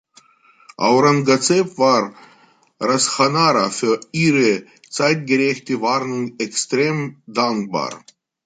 Aurangazeb war Roshanara für ihre zeitgerechte Warnung extrem dankbar.